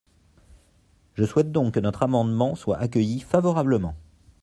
Je souhaite donc que notre amendement soit accueilli favorablement.